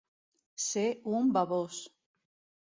Ser un bavós.